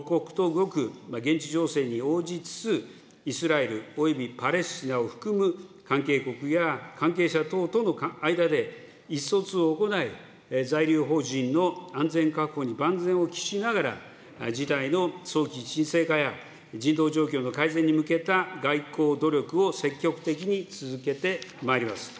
日本としてはこうした関係を生かして引き続き、刻々と動く現地情勢に応じつつ、イスラエルおよびパレスチナを含む、関係国や関係者等との間で意思疎通を行い、在留邦人の安全確保に万全を期しながら、事態の早期沈静化や人道状況の改善に向けた外交努力を積極的に続けてまいります。